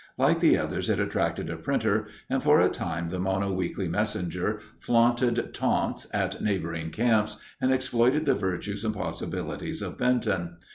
Like the others, it attracted a printer, and for a time the Mono Weekly Messenger flaunted taunts at neighboring camps and exploited the virtues and possibilities of Benton.